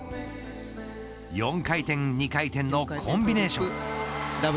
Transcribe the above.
４回転、２回転のコンビネーション。